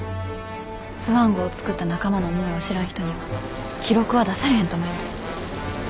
スワン号作った仲間の思いを知らん人には記録は出されへんと思います。